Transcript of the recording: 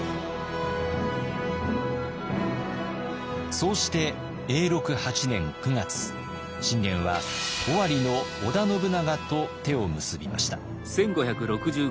そうして信玄は尾張の織田信長と手を結びました。